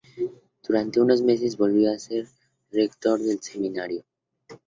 Durante unos meses volvió a ser rector del Seminario.